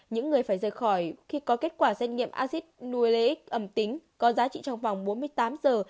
những người phải rời khỏi khi có kết quả xét nghiệm acid nuelaic âm tính có giá trị trong vòng bốn mươi tám giờ